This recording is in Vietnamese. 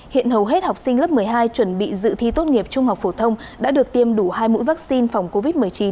hiện hầu hết học sinh lớp một mươi hai chuẩn bị dự thi tốt nghiệp trung học phổ thông đã được tiêm đủ hai mũi vaccine phòng covid một mươi chín